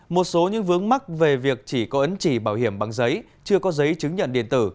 một số những vướng mắc về việc chỉ có ấn chỉ bảo hiểm bằng giấy chưa có giấy chứng nhận điện tử